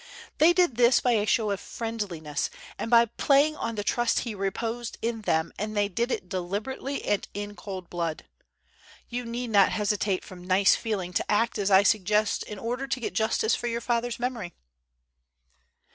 They did this by a show of friendliness, and by playing on the trust he reposed in them, and they did it deliberately and in cold blood. You need not hesitate from nice feeling to act as I suggest in order to get justice for your father's memory."